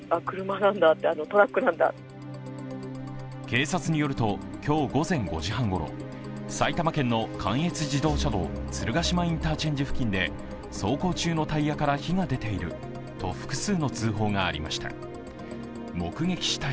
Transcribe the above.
警察によると、今日午前５時半ごろ埼玉県の関越自動車道鶴ヶ島インターチェンジ付近で走行中のタイヤから火が出ていると複数の通報がありました。